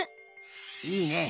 いいね。